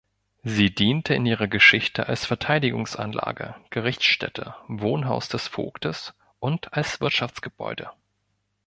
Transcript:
Sie diente in ihrer Geschichte als Verteidigungsanlage, Gerichtsstätte, Wohnhaus des Vogtes und als Wirtschaftsgebäude.